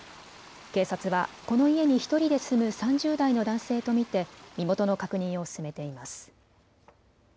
警察はこの家に１人で住む３０代の男性と見て身元の確認を進めています。